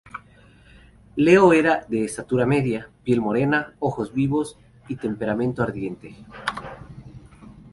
Leo era de estatura media, piel morena, ojos vivos y temperamento ardiente.